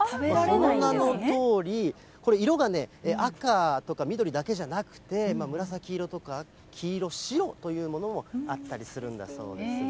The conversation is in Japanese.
その名のとおり、これ、色がね、赤とか緑だけじゃなくて、紫色とか、黄色、白というものもあったりするんだそうですね。